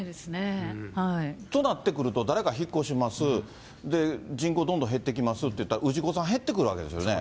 となってくると、誰か引っ越します、人口どんどん減ってきますってなったら氏子さん、減ってくるわけそうですね。